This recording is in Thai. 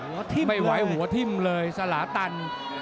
หัวทิ่มเลยไม่ไหวหัวทิ่มเลยสละตัน